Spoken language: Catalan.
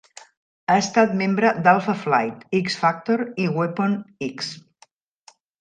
Ha estat membre d'Alpha Flight, X-Factor i Weapon X.